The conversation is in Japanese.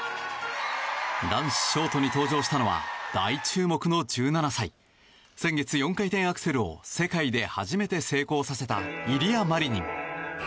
男子ショートに登場したのは大注目の１７歳先月、４回転アクセルを世界で初めて成功させたイリア・マリニン。